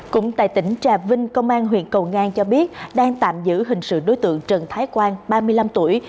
cũng tại tỉnh trà vinh công an huyện cầu ngang cho biết đang tạm giữ hình sự đối tượng trần thái quang ba mươi năm tuổi